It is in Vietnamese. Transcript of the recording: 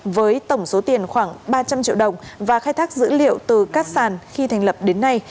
với tổng số tiền khoảng ba trăm linh triệu đồng và khai thác dữ liệu từ các sàn khi thành lập đến nay